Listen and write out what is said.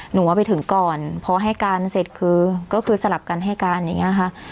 หนูว่าไปถึงก่อนพอให้การเสร็จคือก็คือสลับกันให้การอย่างนี้ค่ะ